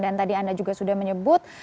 dan tadi anda juga sudah menyebut